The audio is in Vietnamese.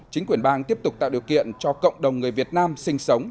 chính quyền bang tiếp tục tạo điều kiện cho cộng đồng người việt nam sinh sống